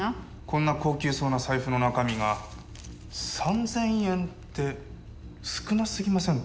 こんな高級そうな財布の中身が３０００円って少なすぎませんか？